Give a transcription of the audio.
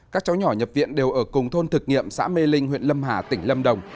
các cháu nhỏ nhập viện đều ở cùng thôn thực nghiệm xã mê linh huyện lâm hà tỉnh lâm đồng